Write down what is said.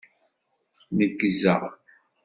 Neggzeɣ.